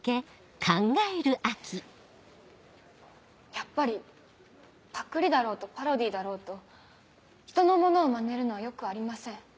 やっぱりパクリだろうとパロディーだろうと人のものをマネるのはよくありません。